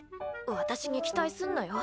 私に期待すんなよ？